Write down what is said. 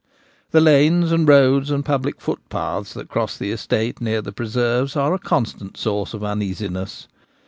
The lanes and roads and public footpaths that cross the estate near the preserves are a constant source of uneasiness.